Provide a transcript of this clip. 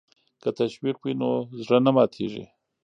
که تشویق وي نو زړه نه ماتیږي.